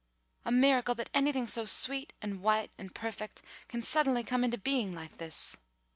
"A miracle that anything so sweet and white and perfect can suddenly come into being like this.